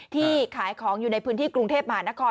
ที่ขายของอยู่ในพื้นที่กรุงเทพมหานคร